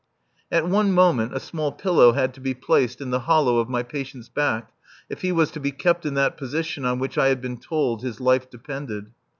At one moment a small pillow had to be placed in the hollow of my patient's back if he was to be kept in that position on which I had been told his life depended.